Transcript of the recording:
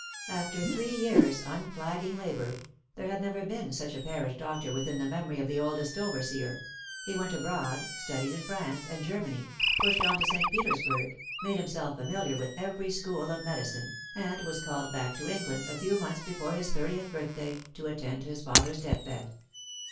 After three years' unflagging labour — there had never been such a parish doctor within the memory of the oldest overseer — he went abroad, studied in Prance and Ger many, pushed on to St. Petersburg, made himself familiar with every school of medicine, and was called back to England, a few months before his thirtieth birthday, to attend his father's deathbed.